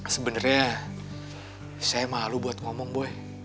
sebenarnya saya malu buat ngomong boy